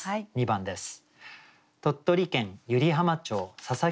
２番です。